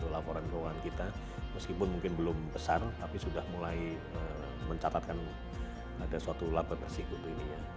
laporan laporan kita meskipun mungkin belum besar tapi sudah mulai mencatatkan ada suatu laber sih untuk ini ya